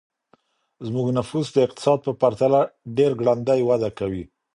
زموږ نفوس د اقتصاد په پرتله ډېر ګړندی وده کوي.